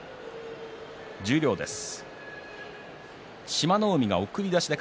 十両です。